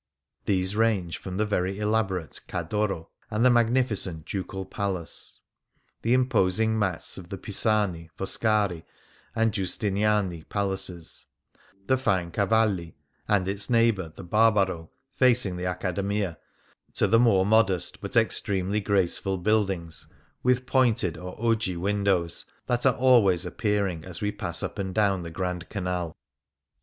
These range from the very elaborate Ca"* d' Oro and the magnificent Ducal Palace ; the impos ing mass of the Pisani, Foscari, and Giustiniani Palaces ; the fine Cavalli and its neighbour the Barbaro, facing the Accademia, to the more modest but extremely graceful buildings with pointed or ogee windows that are always appearing as we pass up and down the Grand Canal.